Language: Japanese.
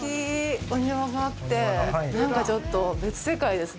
お庭があって、なんかちょっと別世界ですね。